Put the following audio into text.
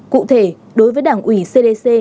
cụ thể đối với đảng ủy cdc